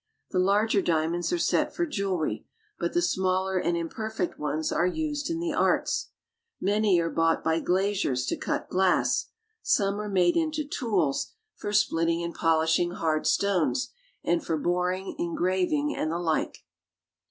The larger diamonds are set for jewelry, but the smaller and imper fect ones are used in the arts. Many are bought by glaziers to cut glass, some are made into tools for splitting 152 THE NETHERLANDS. and polishing hard stones, and for boring, engraving, and the like.